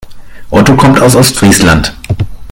Otto kommt aus Ostfriesland.